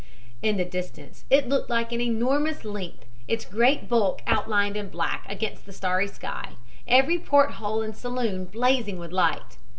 "In the distance it looked an enormous length, its great bulk outlined in black against the starry sky, every port hole and saloon blazing with light.